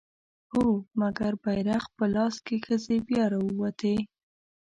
هو! مګر بيرغ په لاس که ښځې بيا راووتې